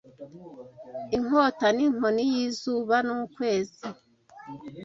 inkota n'inkoni y'izuba n'ukwezi